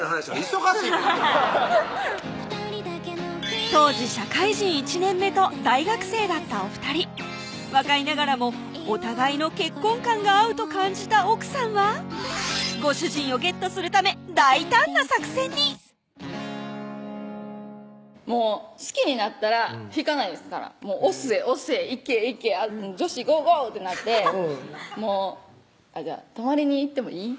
忙しいねん当時社会人１年目と大学生だったお２人若いながらもお互いの結婚観が合うと感じた奥さんはご主人をゲットするため大胆な作戦にもう好きになったら引かないですから押せ押せ行け行け女子ゴーゴー！ってなって「じゃあ泊まりに行ってもいい？」